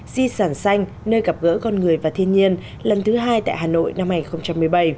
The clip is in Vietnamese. di sản xanh nơi gặp gỡ con người và thiên nhiên lần thứ hai tại hà nội năm hai nghìn một mươi bảy